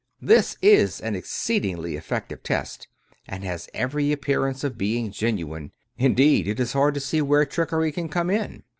This is an exceedingly effective test, and has every ap pearance of being genuine — indeed, it is hard to see where trickery can come in.